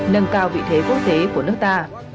nâng cao vị thế quốc tế của nước ta